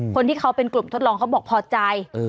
คนที่เขาเป็นกลุ่มทดลองเขาบอกพอใจ